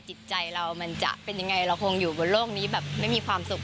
จิตใจเรามันจะเป็นยังไงเราคงอยู่บนโลกนี้แบบไม่มีความสุข